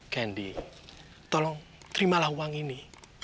kendi tolong terimalah uang ini